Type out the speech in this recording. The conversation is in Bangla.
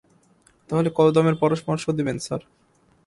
তাহলে কত দামের পরামর্শ দেবেন, স্যার?